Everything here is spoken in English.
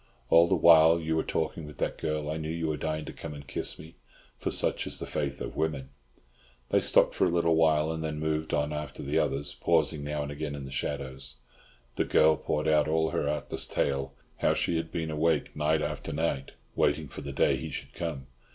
"All the while you were walking with that girl, I knew you were dying to come and kiss me!" For such is the faith of women. They stopped for a little while, and then moved on after the others, pausing now and again in the shadows. The girl poured out all her artless tale—how she had been awake night after night, waiting for the day he should come.